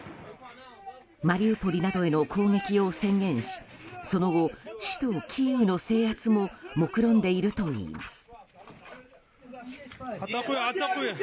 マリウポリなどへの攻撃を宣言しその後、首都キーウの制圧ももくろんでいるといいます。